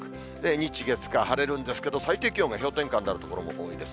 日、月、火、晴れるんですけれども、最低気温が氷点下になる所も多いです。